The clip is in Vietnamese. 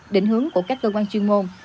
định hướng của các cơ quan chuyên môn